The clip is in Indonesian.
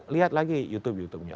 lihat lagi youtube youtubenya